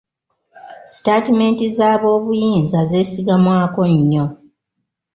Sitatimenti z'aboobuyinza zeesigamwako nnyo.